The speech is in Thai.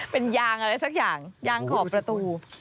เป็นยางอะไรสักอย่างยางขอบประตู